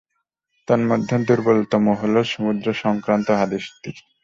তন্মধ্যে দুর্বলতম হলো সমুদ্র সংক্রান্ত হাদীসটি।